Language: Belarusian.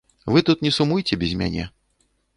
Вы тут не сумуйце без мяне.